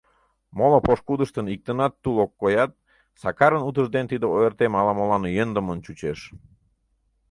Моло пошкудыштын иктынат тул ок коят, Сакарын утыжден тиде ойыртем ала-молан йӧндымын чучеш.